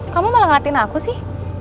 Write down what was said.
kamu malah ngeliatin aku sih